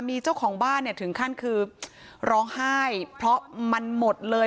มีเจ้าของบ้านเนี่ยถึงขั้นคือร้องไห้เพราะมันหมดเลย